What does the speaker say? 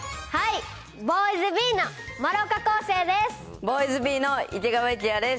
ボーイズビーの丸岡晃聖です。